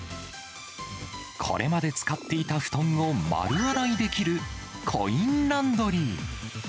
これまで使っていた布団を丸洗いできるコインランドリー。